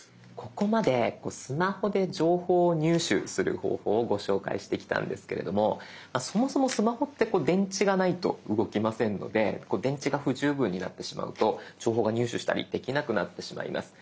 ここまでスマホで情報を入手する方法をご紹介してきたんですけれどもそもそもスマホって電池がないと動きませんので電池が不十分になってしまうと情報が入手したりできなくなってしまいます。